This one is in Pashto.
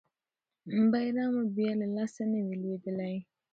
بیرغ به بیا له لاسه نه وي لویدلی.